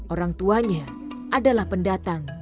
orang tuanya adalah pendatang